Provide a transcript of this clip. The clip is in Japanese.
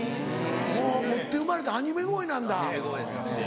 もう持って生まれたアニメ声なんだ。